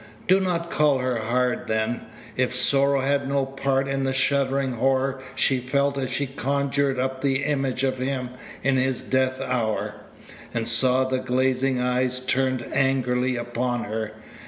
Do not call her hard, then, if sorrow had no part in the shuddering horror she felt as she conjured up the image of him in his death hour, and saw the glazing eyes turned angrily upon her.